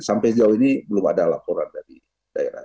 sampai sejauh ini belum ada laporan dari daerah